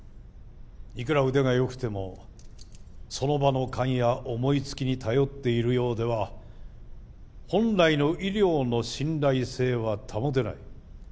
いくら腕がよくてもその場の勘や思いつきに頼っているようでは本来の医療の信頼性は保てない。